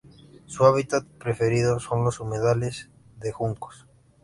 Su hábitat preferido son los humedales de juncos.